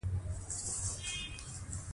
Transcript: اوبه نباتات ژوندی ساتي.